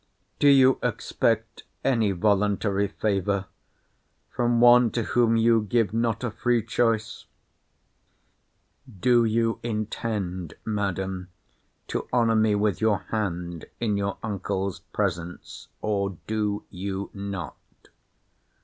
Do you expect any voluntary favour from one to whom you give not a free choice? Do you intend, Madam, to honour me with your hand, in your uncle's presence, or do you not?